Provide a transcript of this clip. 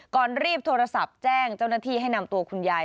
ก่อนรีบโทรศัพท์แจ้งเจ้าหน้าที่ให้นำตัวคุณยาย